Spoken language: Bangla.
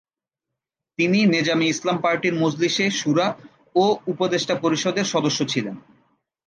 তিনি নেজামে ইসলাম পার্টির মজলিসে শুরা ও উপদেষ্টা পরিষদের সদস্য ছিলেন।